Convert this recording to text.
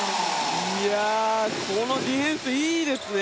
このディフェンスいいですね。